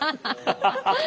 ハハハハ！